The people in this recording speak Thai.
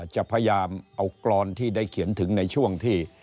จะพยายามเอากรอนที่ได้เขียนถึงในช่วงที่